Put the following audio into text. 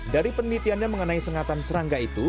dari penelitiannya mengenai sengatan serangga itu